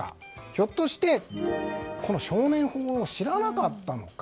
ひょっとして、この少年法を知らなかったのか。